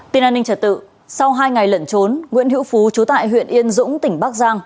tiến an ninh trả tự sau hai ngày lận trốn nguyễn hữu phú trú tại huyện yên dũng tỉnh bắc giang